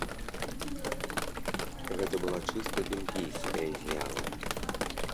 Гэта была чыста бельгійская з'ява.